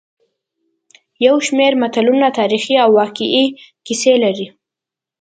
یو شمېر متلونه تاریخي او واقعي کیسې لري